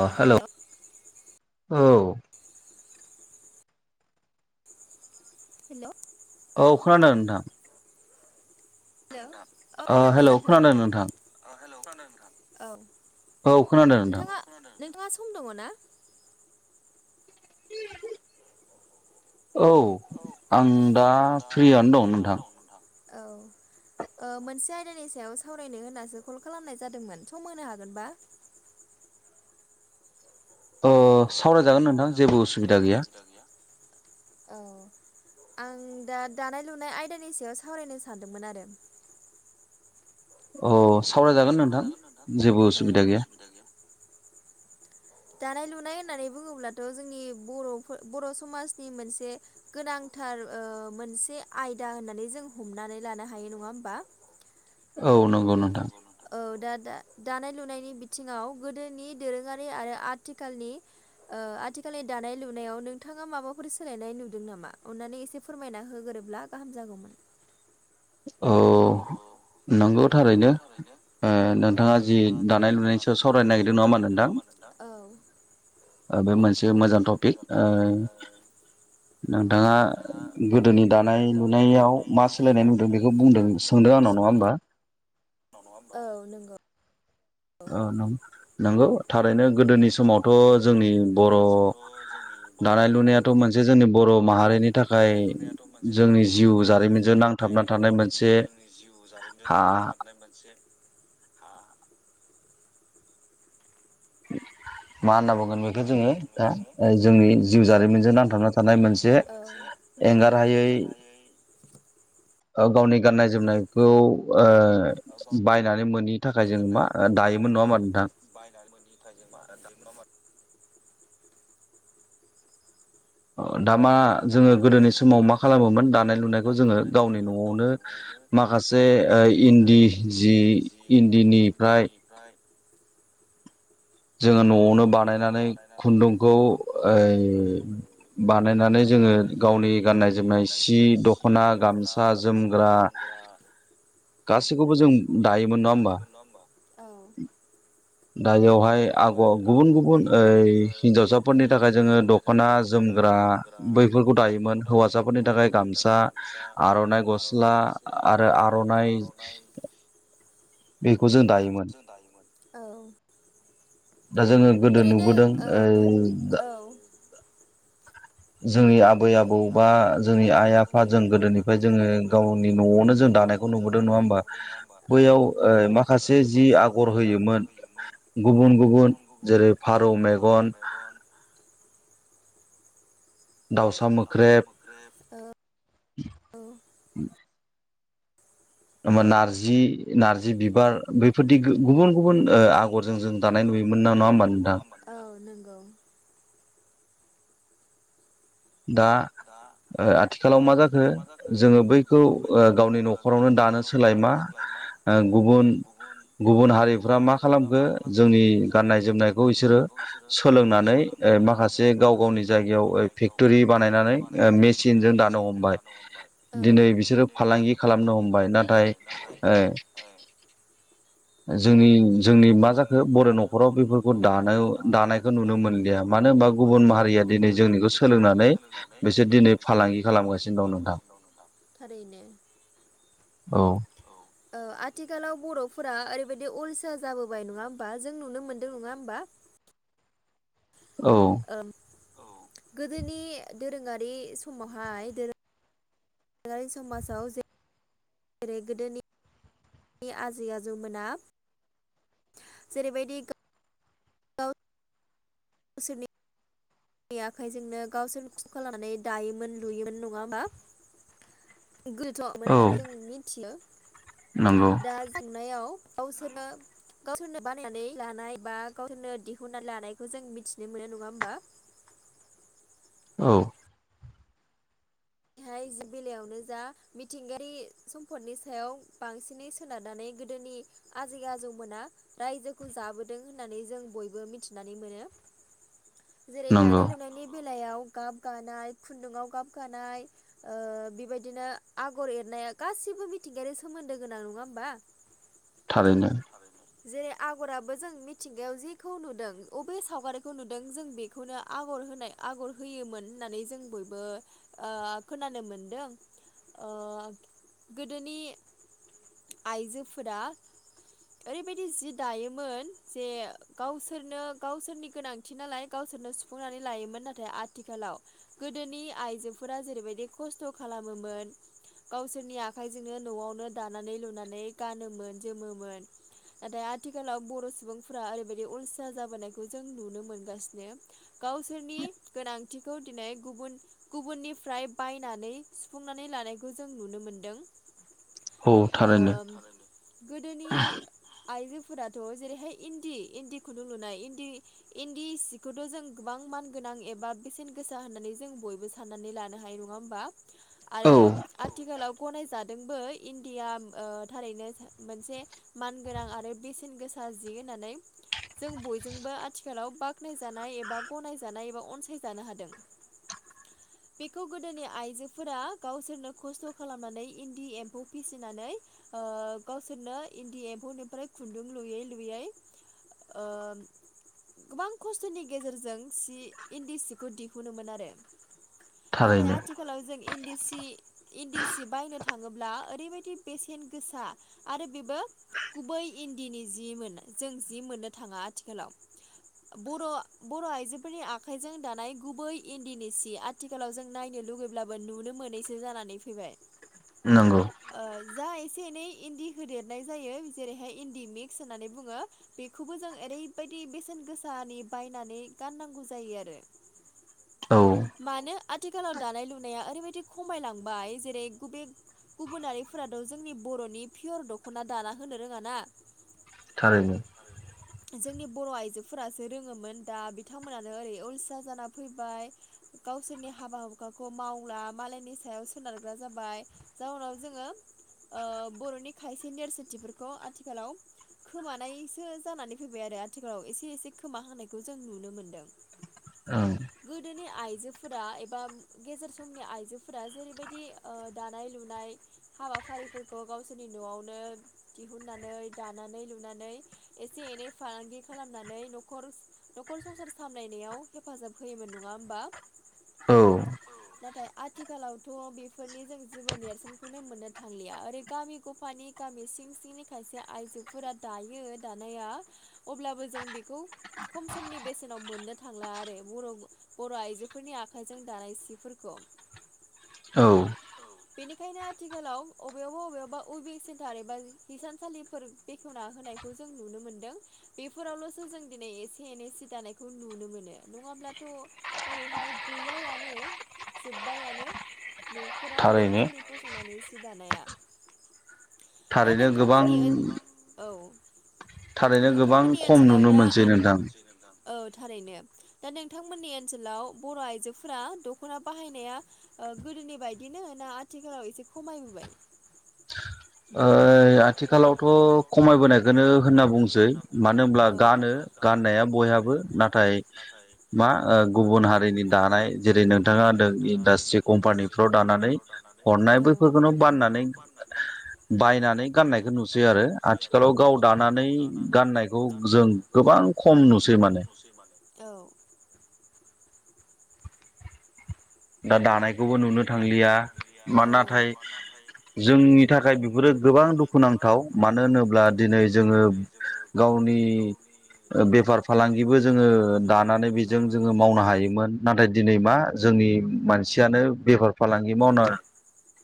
ओ हेल' औ हेल' औ खोनादों नोंथां? हेलौ औ खोनादोंना नोंथां औ हेल' खोनादों नोंथां औ खोनादों नोंथां नोंथाङा सम दङ ना? औ आं दा फ्रियानो दं नोंथां। औ ओ मोनसे आयदानि सायाव सावरायनो होन्नासो कल खालामनाय जादोंमोन सम मोनो हागोनबा? ओ सावरायजागोन नोंथां जेबो उसुबिदा गैया। औ आं दा दानाय लुनाय आयदानि सायाव सावरायनो सानदोंमोन आरो। अ औ सावरायजागोन नोंथां जेबो उसुबिदा गैया। दानाय लुनाय होननानै बुङोब्लाथ' जोंनि बर'फोर बर' समाजनि मोनसे गोनांथार ओ मोनसे आयदा होननानै जों हमनानै लानो हायो नङा होमबा? औ नंगौ नोंथां‌। औ दा दा दानाय लुनायनि बिथिङाव गोदोनि दोरोङारि आरो आथिखालनि ओ आथिखालनि दानाय लुनायाव नोंथाङा माबाफोर सोलायनाय नुदों नामा अननानै एसे फोरमायना होगोरोब्ला गाहाम जागौमोन औ नंगौ थारैनो। ओ नोंथाङा जि दानाय लुनायसो सावरायनो नागिरदों नङा होनबा नोंथां औ। बे मोनसे मोजां टपिक ओ नोंथाङा गोदोनि दानाय लुनायाव मा सोलायनाय नुदों बेखौ बुंदों सोंदों आंनाव नङा होमबा? नङा होनबा औ नंगौ। औ नंगौ थारैनो गोदोनि स नंगौ थारैनो गोदोनि समथ' जोंनि बर' दानाय लुनायाथ' मोनसे जोंनि बर' माहारिनि थाखाय जोंनि जिउ जारिमिन नांथाबना थानाय मोनसे आ मा होनना मा होनना बुंगोन बेखौ जोङो जोंनि जिउ जारिमिनजों नांथाबना थानाय मोनसे एंगारहायै गावनि गाननाय जोमनायखौ ओ बायनानै मोनैनि थाखाय जोङो मा दायोमोन नङा होनबा नोंथां बायनानै मोनिखाय [unintelligible] दा मा जोङो गोदोनि समाव मा खालामोमोन दानाय लुनायखौ जोङो गावनि न'आवनो माखासे इन्दि जि इन्दिनिफ्राय फ्राय जोङो न'आवनो बानायनानै खुन्दुंखौ ओ बानायनानै जोङो गावनि गाननाय जोमनाय सि दख'ना गामसा जोमग्रा जोमग्रा गाससिखौबो जों दायोमोन नङा होमबा दानायावहाय आगर गुबुन गुबुन ओ हिन्जावसाफोरनि थाखाय जोङो दख'ना जोमग्रा बैफोरखौ दायोमोन हौवासाफोरनि थाखाय गामसा आर'नाइ गस्ला आरो आर'नाइ बेखौ जों दायोमोन औ ओरैनो औ औ जोंनि आबै आबौ बा जोंनि आइ आफा जों गोदोनिफ्राय जोङो गावनि न'आव नो जों दानायखौ नुबोदों नङा होमबा बैयाव ओ मासे जि आगर होयोमोन गुबुन गुबुन जेरै फारौ मेगन दाउसा दावसा मोख्रेब मा नारजि नारजि बिबार बेफोरदि गुबुन गुबुन आगरजों जों दानाय नुयोमोन ना नङा ह होमबा नोंथां औ नंगौ दा दा ओ आथिखालाव मा जाखो जोङो बैखौ गावनि न'खरावनो दानो सोलाय मा ओं गुबुन गुबुन हारिफ्रा मा खालामखो जोंनि गाननाय जोमनायखौ इसोरो सोलोंनानै माखासे गाव गावनि जायगायाव पि फेकटुरि बानायनानै मेसिनजों दानो हमबाय दिनै बिसोरो फालांगि खालामनो हमबाय नाथाय ओ ओ जोंनि जोंनि मा जाखो बर' न'खराव बेफोरखौ दानाय दानायखौ नुनो मोनलिया मानो होनबा गुबुन माहारिया दिनै जोंनिखौ सोलोंनानै बिसोर दिनै फालांगि खालामगासिनो दं नोंथां औ नोंथां थारैनो औ औ आथिखालाव बर'फोरा ओरैबायदि बे अलसिया जाबोबाय नङा होमबा जों नुनो मोनदों नङा होमबा औ औ गोदोनि दोरोङारि समावहाय जाय समाजाव जे आरो गोदोनि नि आजै आजौमोना जेरैबायदि गावनि गावसोरनि आ आखाइजोंनो गावसोर खसत लानानै दायोमोन लुयोमोन नङा होमबा गोथौमोन होननानै जों मिथियो नंगौ दा जेंनायाव गावसोरनो गावसोरनो बानायनानै लानाय बा गावसोरनो दिहुननानै लानायखौ जों मिथिनो मोनो नङा होमबा औ बेहाय जि बेलायावनो जा मिथिंगायारि सम्फदनि सायाव बांसिनै सोनारनानै गोदोनि आजै आजौमोना रायजोखौ जाबोदों होननानै जों बयबो मिथिनानै मोनो। जेरै दानाय लुनायनि बेलायाव गाब गानाय खुन्दुंवाव गाब गानाय ओ बेबायदिनो आगर एरनाया गासिबो मिथिंगायारि सोमोन्दो गोनां, नङा होमबा? [inaudible] थारैनो। थारैनो। जेरै आगराबो जों मिथिंगायाव जेखौ नुदों बबे सावगारिखौ नुदों जों बेखौनो आगर होनाय आगर होयोमोन होननानै जों बयबो ओ खोनानो मोनदों ओ गोदोनि आइजोफोरा ओरैबायदि जि दायोमोन जे गावसोरनो गावसोरनि गोनांथि नालाय गावसोरनो सुफुंनानै लायोमोन। नाथाय आथिखालाव गोदोनि आइजोफोरा जेरैबायदि खस्थ' खालामोमोन गावसोरनि आखाइजोंनो न'आवनो दानानै लुनानै गानोमोन जोमोमोन। नाथाय आथिखालाव बर' सुबुंफोरा ओरैबायदि अलसिया जाबोनायखौ जों नुनो मोनगासिनो। गावसोरनि गोनांथिखौ दिनै गुबुन गुबुननिफ्राय बायनानै सुफुंनानै लानायखौ जों नुनो मोनदों। ओ गोदोनि आइजोफोराथ' जेरैहाय इन्दि इन्दि खुन्दुं लुनाय इन्दि इन्दि सिखौथ' जों गोबां मानगोनां एबा बेसेन गोसा होननानै जों बयबो साननानै लानो हायो। नङा होमबा? आरो आथिखालाव गनायजादोंबो इण्डिया ओ थारैनो मोनसे मानगोनां आरो बेसेन गोसा जि होननानै जों बयजोंबो आथिखालाव बाख्नायजानाय एबा गनायजानाय एबा अनसायजानो हादों। बेखौ गोदोनि आइजोफोरा गावसोरनो खस्थ' खालामनानै इन्दि एम्फौ फिसिनानै ओ गावसोरनो इन्दि एम्फौनिफ्राय खुन्दुं लुयै लुयै ओ गोबां खस्थ'नि गेजेरजों सि इन्दि सिखौ दिहुनोमोन आरो। नाथाय आथिखालाव जों इन्दि सि इन्दि सि बायनो थाङोब्ला ओरैबायदि बेसेन गोसा आरो बेबो गुबै इन्दिनि जि मोन जों जि मोननो थाङा आथिखालाव। बर' बर' आइजोफोरनि आखाइजों दानाय गुबै इन्दिनि सि आथि आथिखालाव जों नायनो लुुबैब्लाबो नुनो मोनैसो जानानै फैबाय। नंगौ। जा एसे एनै इन्दि होदेरनाय जायो जेरैहाय इन्दि मिक्स होननानै बुङो, बेखौबो जों ओरैबायदि बेसेन गोसानि बायनानै गाननांगौ जायो आरो। मानो आथिखालाव दानाय लुनाया ओरैबायदि खमायलांबाय जेरै गुबे गुबुनारिफोराथ' जोंनि बर'नि पियर दख'ना दाना होनो रोङाना। थारैनो। [inaudible] जोंनि बर' आइजोफोरासो रोङोमोन दा बिथांमोनानो ओरै अलसिया जाना फैबाय। गावसोरनि हाबा हुखाखौ मावला मालायनि सायाव सोनारग्रा जाबाय जाउनाव जोङो ओ बर'नि खायसे नेरसोनथिफोरखौ आथिखालाव खोमानायसो जानानै फैबाय आरो आथिखालाव एसे एसे खोमा होनानायखौ जों नुनो मोनदों। औ। गोदोनि आइजोफोरा ए बा गेजेर समनि आइजोफोरा जेरैबायदि ओ दानाय लुनाय हाबाफारिफोरखौ गावसोरनि न'आवनो दिहुननानै दानानै लुनानै एसे एनै फालांगि खालामनानै न'खर न'खर संसार सामलायनायाव हेफाजाब होयोमोन नङा होमबा? औ। नाथाय आथिखालावथ' बेफोरनि जों जेबो नेरसोनखौनो मोननो थांलिया ओरै गामि ग'फानि गामि सिं सिंनि खायसे आइजोफोरा दायो दानाया अब्लाबो जों बेखौ खम समनि बेसेनाव मोननो थांला आरो बर' आइजोफोरनि आखा आखाइजों दानाय सिफोरखौ। औ। बेनिखायनो आथिखालाव अबेयावबा अबेयावबा उइभिं सेन्टार एबा हिसानसालिफोर बेखेवना होनायखौ जों नुनो मोन्दों। बेफोरावल'सो जों दिनै एसे एनै सि दानायखौ नुनो मोनो नङाब्लाथ' ओरैहाय गैयायानो जोब्बायानो न'खराव हिथानसालिखौ सोंनानै सि दानाया। दा नोंथांमोननि औ नोंथांमोननि ओनसोलाव दा आ औ थारैनो। दा नोंथांमोननि ओनसोलाव बर' आइजोफोरा दख'ना बाहायनाया ओ गोदोनि बायदिनो ना आथिखालाव एसे खमायबोबाय? ओइ आथिखालावथ' खमायबोनायखोनो होनना बुंसै मानो होनब्ला गानो गाननाया बयहाबो नाथाय मा ओ गुबुन हारि गुबुन हारिनि दानाय जेरै नोंथाङा होनदों इन्डास्ट्रि कम्पानिफ्राव दानानै हरनायफोरखौनो फाननानै बायनानै गाननायखौ नुसै आरो आथिखालाव गाव दानानै गाननायखौ जों जों गोबां खम नुसै माने औ। दा दानायखौबो नुनो थांलिया मा नाथाय जोंनि थाखाय बेफोरो गोबां दुखुनांथाव मानो होनोब्ला दिनै जोङो गावनि बेफार फालांगिबो जोङो दानानै बेजों जोङो मावनो हायोमोन। नाथाय दिनै मा जोंनि मानसियानो बेफार फालांगि मावना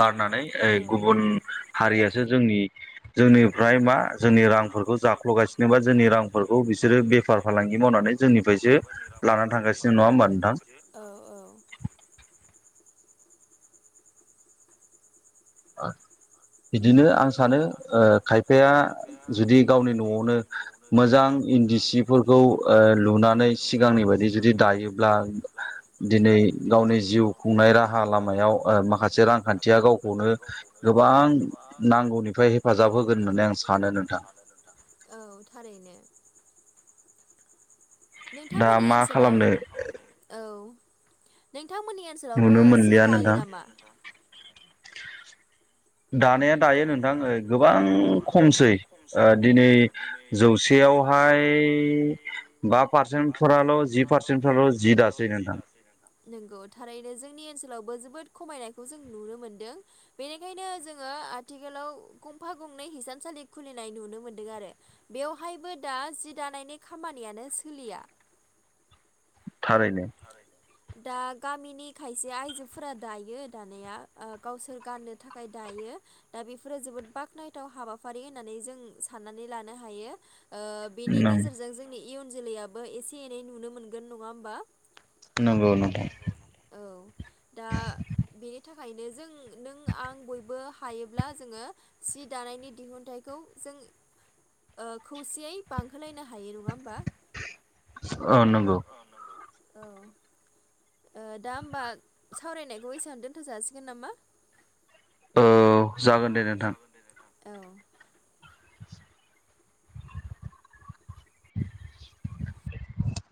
गारनानै ओइ गुबुन हारियासो जोंनि जोंनिफ्राय मा जोंनि रांफोरखौ जाख्ल'गासिनो बा जोंनि रांफोरखौ बिसोरो बे फार फालांगि मावनानै जोंनिफ्रायसो लानानै थांगासिनो नङा होमबा नोंथां? औ औ। आ बिदिनो आं सानो ओ खायफाया जुदि गावनि न'आवनो मोजां इन्दि सिफोरखौ ओ लुनानै सिगांनि बायदि जुदि दायोब्ला दिनै गावनि जिउ खुंनाय राहा लामायाव ओ माखासे रांखान्थिया गावखौनो गोबां नांगौनि नांगौनिफ्राय हेफाजाब होगोन होननानै आं सानो नोंथां, औ थारैनो। नोंथांमोननि ओनसोलाव औ नोंथांमोननि ओनसोल सोलावबो जि दायो नामा? दानाया दायो नोंथां गोबां खमसै ओ दिनै जौसेयाव फ्राय बा पारसेन्टफोराल' जि पारसेन्टफोरल' जि दासै नोंथां। नंगौ थारैनो जोंनि ओनसोलावबो जोबोद खमायनायखौ जों नुनो मोनदों। बेनिखायनो जोङो आथिखालाव गंफा गंनै हिसान सालि खुलिनाय नुनो मोन्दों आरो। बेवहायबो दा जि दानायनि खामानियानो सोलिया। थारैनो। थारै दा गामिनि खायसे आइजोफोरा दायो दानाया आ गावसोर गाननो थाखाय दायो। दा बेफोरो जोबोद बाख्नायथाव हाबाफारि होननानै जों साननानै लानो हायो ओ बेनि गेजेरजों जोंनि इयुन जोलैयाबो एसे एनै नुनो मोनगोन नङा होमबा। नंगौ नोंथां औ दा बेनि थाखायनो जों नों आं बयबो हायोब्ला जोंङो सि दानायनि दिहुनथाइखौ जों ओ खौसेयै बांहोलायनो हायो नङा होमबा। औ नंगौ औ नंगौ औ ओ दा होमबा सावरायनायखौ एसे आवनो दोनथ' जाासिगोन नामा। औ जागोन दे नोंथां औ